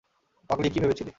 পাগলী, কী ভেবেছিলি?